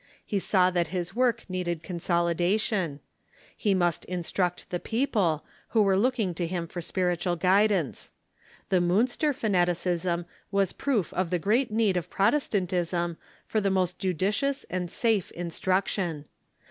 He saw that his Avork needed consolidation. He must instruct the people, who were looking to Literary Ubors ^^^"^^^^' spii'itual guidance. The Miinster fanati cism was 2>roof of the great need of Protestantism for the most judicious and safe instruction.